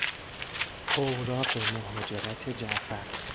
اوراق مهاجرت جعفر